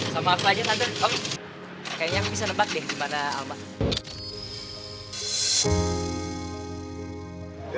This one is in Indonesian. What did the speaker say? sama aku aja tante om kayaknya aku bisa nebak deh gimana alma